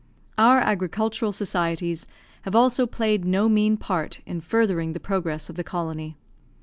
Our agricultural societies have also played no mean part in furthering the progress of the colony.